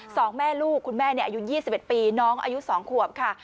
สองแม่ลูกคุณแม่อายุ๒๑ปีน้องอายุสองขวบค่ะ